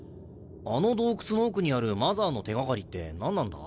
あの洞窟の奥にあるマザーの手掛かりって何なんだ？